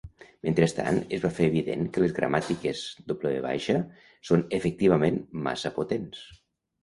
Mentrestant, es va fer evident que les gramàtiques W són efectivament massa potents.